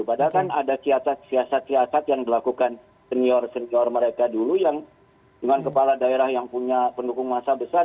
padahal kan ada siasat siasat siasat yang dilakukan senior senior mereka dulu yang dengan kepala daerah yang punya pendukung masa besar